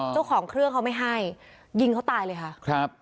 เจ้าของเครื่องเขาไม่ให้ยิงเขาตายเลยค่ะครับ